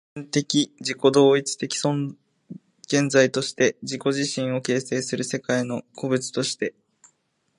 絶対矛盾的自己同一的現在として自己自身を形成する世界の個物として、